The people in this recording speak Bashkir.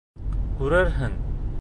Күрерһең.